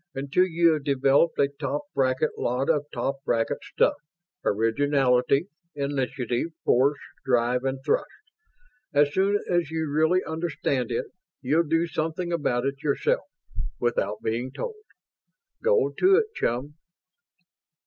Until you have developed a top bracket lot of top bracket stuff originality, initiative, force, drive, and thrust. As soon as you really understand it, you'll do something about it yourself, without being told. Go to it, chum."